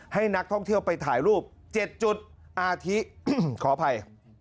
ให้นักท่องเที่ยวไปถ่ายรูป๗จุดอาทิขออภัย